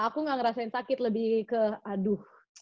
aku gak ngerasain sakit lebih ke aduh